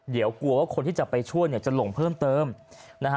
เดี๋ยวกลัวว่าคนที่จะไปช่วยเนี่ยจะหลงเพิ่มเติมนะฮะ